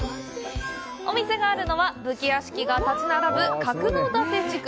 お店があるのは武家屋敷が建ち並ぶ角館地区。